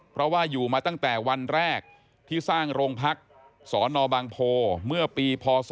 เพราะว่าอยู่มาตั้งแต่วันแรกที่สร้างโรงพักสนบางโพเมื่อปีพศ๒๕